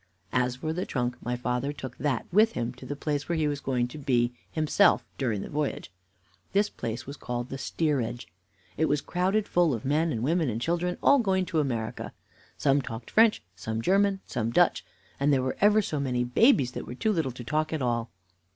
As for the trunk, my father took that with him to the place where he was going to be himself during the voyage. This place was called the steerage. It was crowded full of men, women, and children, all going to America. Some talked French, some German, some Dutch, and there were ever so many babies that were too little to talk at all.